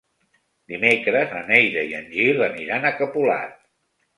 Dimecres na Neida i en Gil aniran a Capolat.